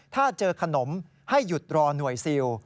ถ้าเจอขนมให้หยุดรอหน่วยซิล